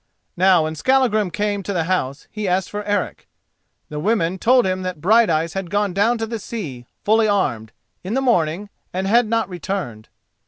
Now, when Skallagrim came to the house he asked for Eric. The women told him that Brighteyes had gone down to the sea, fully armed, in the morning, and had not returned.